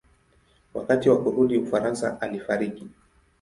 Wakati wa kurudi Ufaransa alifariki.